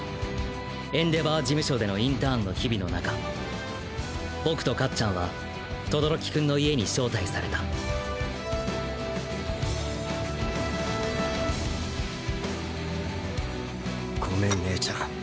エンデヴァー事務所でのインターンの日々の中僕とかっちゃんは轟くんの家に招待されたごめん姉ちゃん。